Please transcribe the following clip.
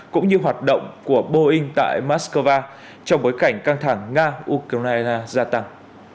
cũng như hoạt động của boeing tại moscow trong bối cảnh căng thẳng nga ukraine gia tăng